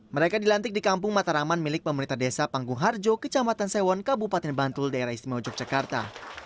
mereka dilantik di kampung mataraman milik pemerintah desa panggung harjo kecamatan sewon kabupaten bantul daerah istimewa yogyakarta